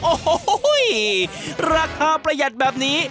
โอ้โหราคาประหยัดแบบนี้